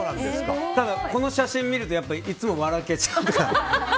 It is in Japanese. ただ、この写真を見るといつも笑っちゃって。